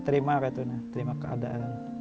terima gitu terima keadaan